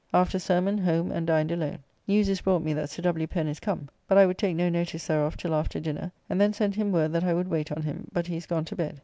After sermon home and dined alone. News is brought me that Sir W. Pen is come. But I would take no notice thereof till after dinner, and then sent him word that I would wait on him, but he is gone to bed.